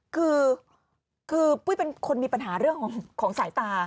คือปุ้ยเป็นคนมีปัญหาเรื่องของสายตา